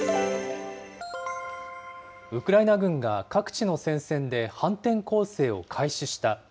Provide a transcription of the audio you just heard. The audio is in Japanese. ウクライナ軍が各地の戦線で反転攻勢を開始した。